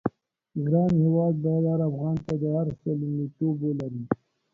ګران هېواد بايد هر افغان ته د هر څه لومړيتوب ولري.